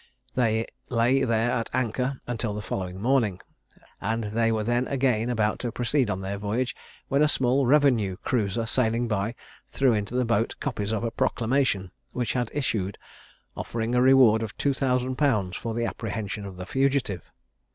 They lay there at anchor until the following morning; and they were then about again to proceed on their voyage, when a small revenue cruiser sailing by threw into the boat copies of a proclamation, which had issued, offering a reward of 2000_l._ for the apprehension of the fugitive.